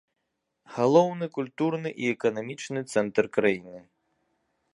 Галоўны культурны і эканамічны цэнтр краіны.